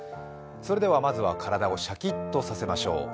まずは体をシャキッとさせましょう。